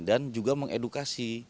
dan juga mengedukasi